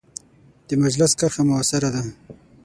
د مجلس کرښه مؤثره ده.